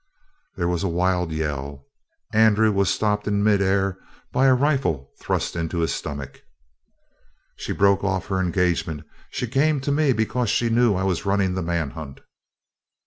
There was a wild yell; Andrew was stopped in mid air by a rifle thrust into his stomach. "She broke off her engagement. She came to me because she knew I was running the manhunt.